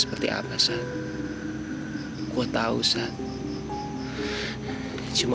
melakukan perasaan baik baik saja